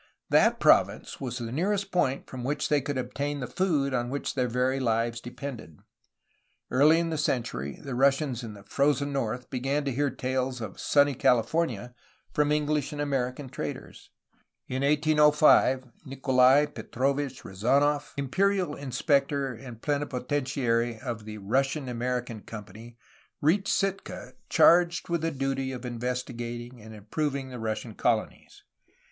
That province was the nearest point from which they could ob tain the food on which their very lives depended. Early in the century the Russians in the ''frozen north'' began to hear tales of ''sunny California" from English and American traders. In 1805 Nikolai Petrovitch Rezanof, imperial inspector and plenipotentiary of the Russian American Company, reached Sitka, charged with the duty of investi gating and improving the Russian colonies.